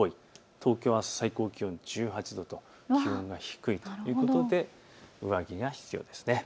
東京、あす最高気温１８度で気温が低いということで上着が必要ですね。